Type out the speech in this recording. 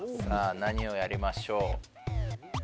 何をやりましょう。